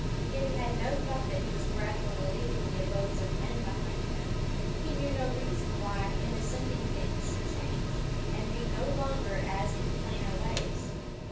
Gibbie had no thought that he was gradually leaving the abodes of men behind him; he knew no reason why in ascending things should change, and be no longer as in plainer ways.